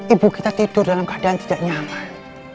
ibu kita tidur dalam keadaan tidak nyaman